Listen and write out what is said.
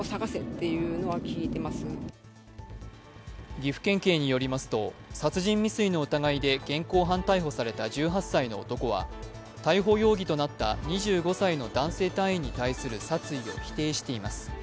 岐阜県警によりますと殺人未遂の疑いで現行犯逮捕された１８歳の男は逮捕容疑となった２５歳の男性隊員に対する殺意を否定しています。